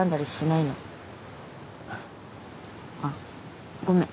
えっ？あっごめん。